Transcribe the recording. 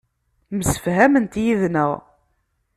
Msefhament yid-neɣ.